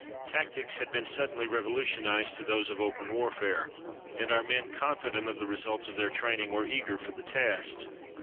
Tactics had been suddenly revolutionized to those of open warfare, and our men, confident of the results of their training, were eager for the test.